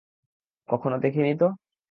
কখনো দেখিনি তো?